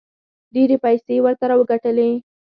ډېرې پیسې یې ورته راوګټلې.